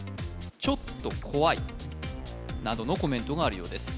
「ちょっと怖い」などのコメントがあるようです